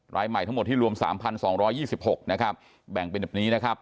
รายใหม่ทั้งหมดที่รวม๓๒๒๖นะครับแบ่งเป็นแบบนี้นะครับ